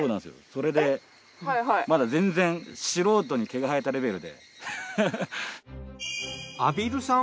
それでまだ全然素人に毛が生えたレベルで。